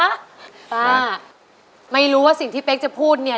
ป้าไม่รู้ว่าสิ่งที่เป๊กจะพูดเนี่ย